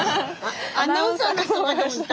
アナウンサーの人かと思った。